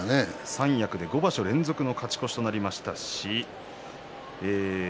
三役で５場所連続の勝ち越しとなりました。